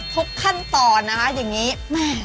ทุกขั้นตอนนะคะอย่างนี้แม่